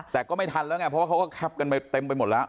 แต่ก็ไม่ทันแล้วไงเพราะว่าเขาก็แคปกันไปเต็มไปหมดแล้ว